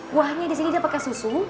buahnya di sini dia pakai susu